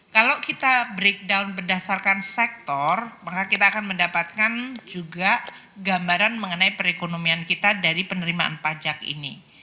kalau kita breakdown berdasarkan sektor maka kita akan mendapatkan juga gambaran mengenai perekonomian kita dari penerimaan pajak ini